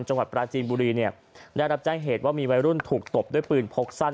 จังหวัดปราจีนบุรีเนี่ยได้รับแจ้งเหตุว่ามีวัยรุ่นถูกตบด้วยปืนพกสั้น